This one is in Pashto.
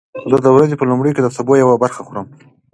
زه د ورځې په لومړیو کې د سبو یوه برخه خورم.